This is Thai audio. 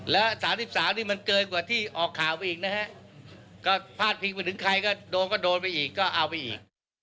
และ๓๓นี่มันเกินกว่าที่ออกข่าวไปอีกนะฮะก็พาดพิงไปถึงใครก็โดนก็โดนไปอีกก็เอาไปอีก